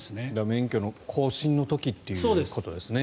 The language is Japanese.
免許の更新の時ということですね。